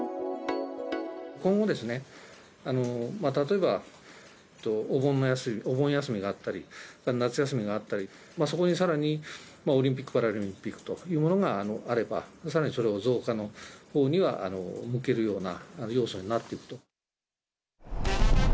今後、例えばお盆休みがあったり、それから夏休みがあったり、そこにさらにオリンピック・パラリンピックというものがあれば、さらにそれを増加のほうには向けるような要素になっていくと。